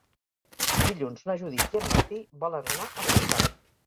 Dilluns na Judit i en Martí volen anar a Foixà.